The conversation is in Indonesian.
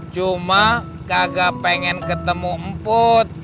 cuma kagak pengen ketemu emput